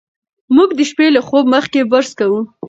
موږ د شپې له خوب مخکې برس کوو.